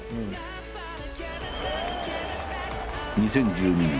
２０１２年。